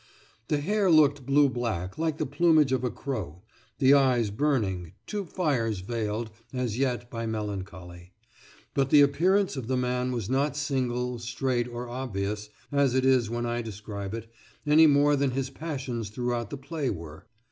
The hair looked blue black, like the plumage of a crow; the eyes burning two fires veiled, as yet, by melancholy. But the appearance of the man was not single, straight, or obvious, as it is when I describe it, any more than his passions throughout the play were.